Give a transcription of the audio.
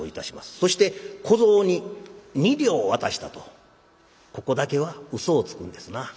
そして小僧に二両渡したとここだけはうそをつくんですな。